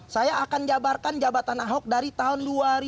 saya akan jabarkan jabatan ahok dari tahun dua ribu dua puluh